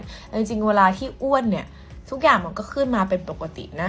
แต่จริงเวลาที่อ้วนเนี่ยทุกอย่างมันก็ขึ้นมาเป็นปกตินะ